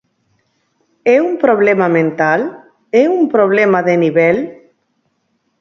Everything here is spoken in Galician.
É un problema mental, é un problema de nivel?